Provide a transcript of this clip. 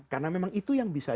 karena memang itu yang bisa